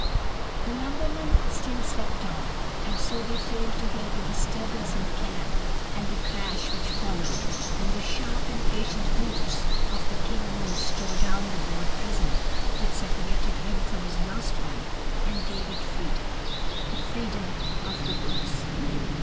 The lumbermen still slept on, and so they failed to hear the disturbance in camp and the crash which followed when the sharp, impatient hoofs of the King Moose tore down the board prison which separated him from his lost one, and gave it freedom the freedom of the woods.